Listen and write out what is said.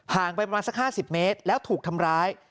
ไปประมาณสัก๕๐เมตรแล้วถูกทำร้าย